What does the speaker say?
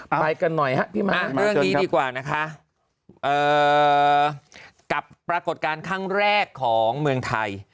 ไปกันหน่อยครับพี่ม้าเรื่องนี้ดีกว่านะคะกับปรากฏการณ์ครั้งแรกของเมืองไทย